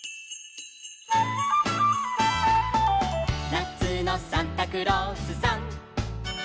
「なつのサンタクロースさん」